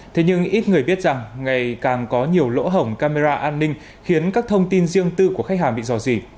thế nhưng ít người biết rằng ngày càng có nhiều lỗ hổng camera an ninh khiến các thông tin riêng tư của khách hàng bị dò dỉ